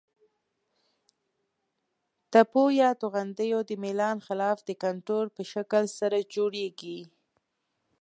تپو یا غونډیو د میلان خلاف د کنتور په شکل سره جوړیږي.